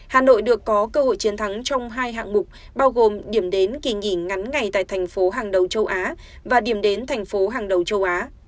tp hcm được có cơ hội chiến thắng trong hai hạng mục bao gồm điểm đến kỳ nghỉ ngắn ngày tại tp hàng đầu châu á và điểm đến tp hàng đầu châu á